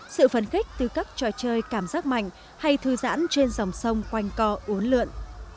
sự phấn khích từ các trò chơi cảm giác mạnh hay thư giãn trên dòng sông quanh co uốn lượn